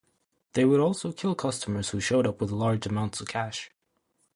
They would also kill customers who showed up with large amounts of cash.